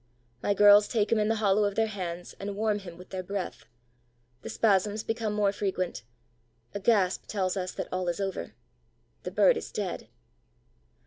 My girls take him in the hollow of their hands and warm him with their breath. The spasms become more frequent. A gasp tells us that all is over. The bird is dead.